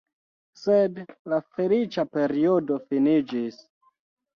Sed la feliĉa periodo finiĝis.